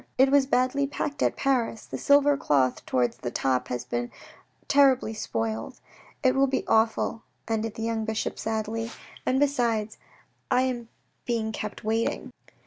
It was badly packed at Paris. The silver cloth towards the top has been terribly spoiled. It will look awful," ended the young bishop sadly, " And besides, I am being kept waiting."